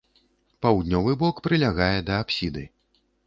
Паўднёвы бок прылягае да апсіды.